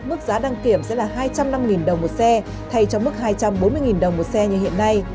mức giá đăng kiểm sẽ là hai trăm linh năm đồng một xe thay cho mức hai trăm bốn mươi đồng một xe như hiện nay